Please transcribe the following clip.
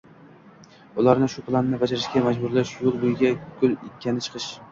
ularni shu planni bajarishga majburlash, yo‘l bo‘yiga gul ekkani chiqish